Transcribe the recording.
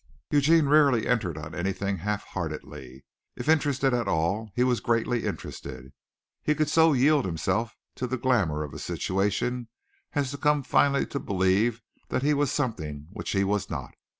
Eugene rarely entered on anything half heartedly. If interested at all he was greatly interested. He could so yield himself to the glamour of a situation as to come finally to believe that he was something which he was not.